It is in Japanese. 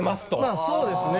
まぁそうですね。